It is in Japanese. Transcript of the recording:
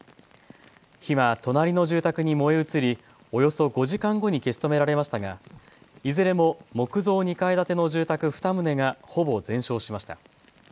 火は隣の住宅に燃え移りおよそ５時間後に消し止められましたがいずれも木造２階建ての住宅２棟がほぼ全焼しました。